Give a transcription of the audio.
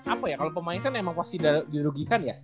apa ya kalau pemain kan emang pasti dirugikan ya